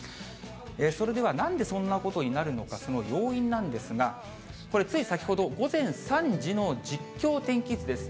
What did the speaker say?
それでは、なんでそんなことになるのか、その要因なんですが、これ、つい先ほど午前３時の実況天気図です。